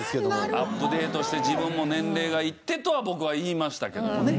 アップデートして自分も年齢がいってとは僕は言いましたけどもね。